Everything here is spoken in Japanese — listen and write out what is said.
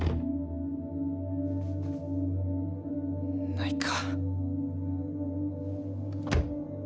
ないか。